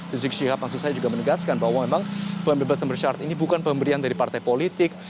rizik syihab maksud saya juga menegaskan bahwa memang pembebasan bersyarat ini bukan pemberian dari partai politik